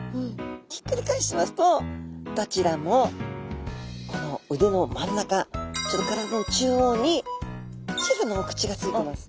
ひっくり返してみますとどちらもこの腕の真ん中ちょうど体の中央に小さなお口がついてます。